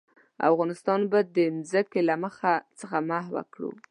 افغانستان به د ځمکې له مخ څخه محوه کړو.